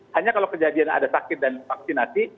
hanya kalau kejadian ada sakit dan vaksinasi